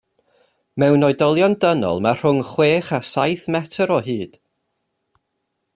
Mewn oedolion dynol mae rhwng chwech a saith metr o hyd.